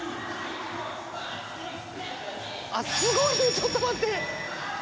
ちょっと待って。